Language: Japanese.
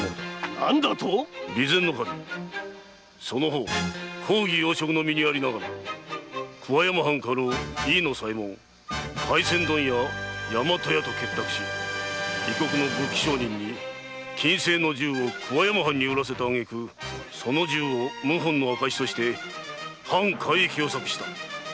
何だと⁉備前守その方公儀要職の身にありながら桑山藩家老・飯野左衛門廻船問屋・大和屋と結託し異国の武器商人に禁制の銃を桑山藩に売らせた挙げ句その銃を謀反の証として藩改易を策した。